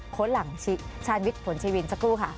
หลังชาญวิทย์ผลชีวินสักครู่ค่ะ